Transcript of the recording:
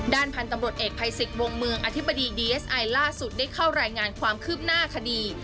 พันธุ์ตำรวจเอกภัยสิทธิ์วงเมืองอธิบดีดีเอสไอล่าสุดได้เข้ารายงานความคืบหน้าคดี